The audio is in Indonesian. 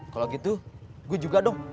kalau gitu gue juga dong